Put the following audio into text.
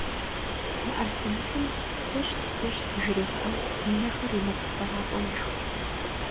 МыӀэрысэ мыхъум «хъущт, хъущт» жригъэӏэу, и нэхэр имыгъэупӏэрапӏэу ишхырт.